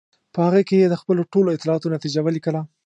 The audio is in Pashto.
په هغه کې یې د خپلو ټولو اطلاعاتو نتیجه ولیکله.